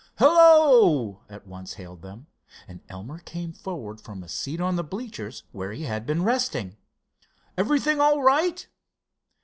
"Hello!" at once hailed them, and Elmer came forward from a seat on the bleachers, where he had been resting. "Everything all right?"